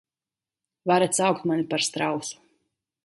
Varat saukt mani par strausu...